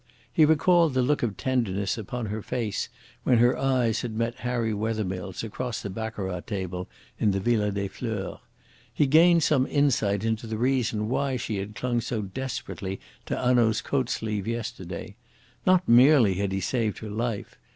He recalled the look of tenderness upon her face when her eyes had met Harry Wethermill's across the baccarat table in the Villa des Fleurs. He gained some insight into the reason why she had clung so desperately to Hanaud's coat sleeve yesterday. Not merely had he saved her life.